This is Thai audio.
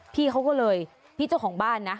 พี่เขาก็เลยพี่เจ้าของบ้านนะ